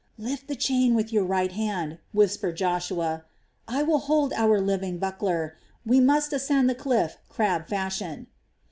"Lift the chain with your right hand," whispered Joshua, "I will hold our living buckler. We must ascend the cliff crab fashion."